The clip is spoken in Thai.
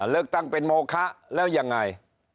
เลือกตั้งเป็นโมคะแล้วยังไง